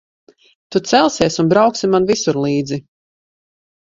Tu celsies un brauksi man visur līdzi.